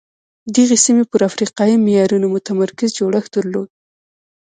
دغې سیمې پر افریقایي معیارونو متمرکز جوړښت درلود.